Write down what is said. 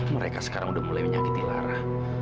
mereka sekarang udah mulai menyakiti lara